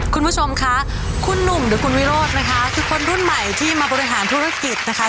คุณผู้ชมค่ะคุณหนุ่มหรือคุณวิโรธนะคะคือคนรุ่นใหม่ที่มาบริหารธุรกิจนะคะ